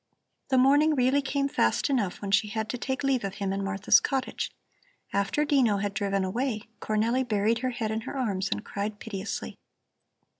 The morning really came fast enough when she had to take leave of him in Martha's cottage. After Dino had driven away, Cornelli buried her head in her arms and cried piteously.